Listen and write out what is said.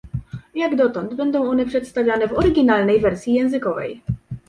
Jak dotąd będą one przedstawiane w oryginalnej wersji językowej